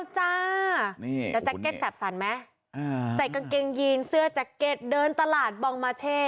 ชื่นยีนเสื้อแจ๊กเก็ตเดินตลาดบองมาเช่